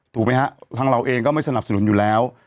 ถูกไหมฮะทางเราเองก็ไม่สนับสนุนอยู่แล้ว